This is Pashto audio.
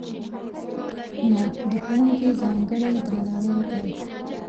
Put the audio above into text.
نو، د ښوونکي ځانګړی درناوی وکړئ!